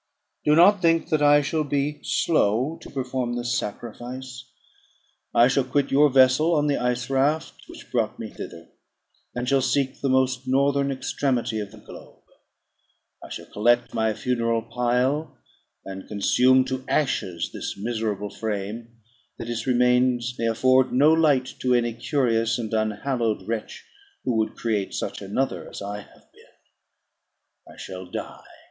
Do not think that I shall be slow to perform this sacrifice. I shall quit your vessel on the ice raft which brought me thither, and shall seek the most northern extremity of the globe; I shall collect my funeral pile, and consume to ashes this miserable frame, that its remains may afford no light to any curious and unhallowed wretch, who would create such another as I have been. I shall die.